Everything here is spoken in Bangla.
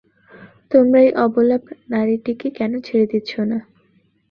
তোমরা এই অবলা নারীটিকে কেন ছেড়ে দিচ্ছ না?